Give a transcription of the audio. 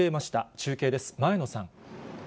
中継です、前野さん。